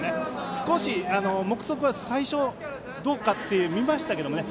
少し、目測は最初どうかということで見ましたけどね。